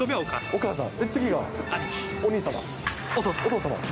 お父様。